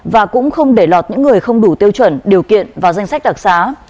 và cũng không để lọt những người không đủ tiêu chuẩn điều kiện vào danh sách đặc xá